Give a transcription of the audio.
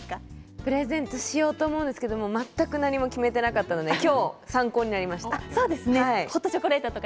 プレゼントしようと思うんですけど、全く何も決めていなかったので今日参考になりました。